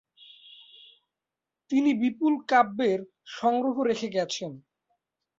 তিনি বিপুল কাব্যের সংগ্রহ রেখে গেছেন।